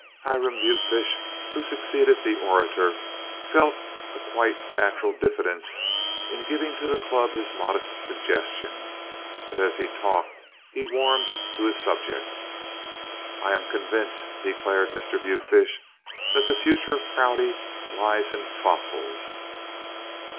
Hiram Butefish, who succeeded the orator, felt a quite natural diffidence in giving to the Club his modest suggestion, but as he talked he warmed to his subject. "I am convinced," declared Mr. Butefish, "that the future of Prouty lies in fossils."